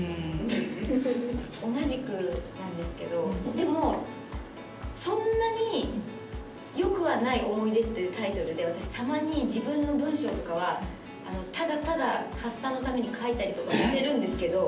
同じくなんですけどでも「そんなによくはない思い出」というタイトルで私たまに自分の文章とかはただただ発散のために書いたりとかしてるんですけど。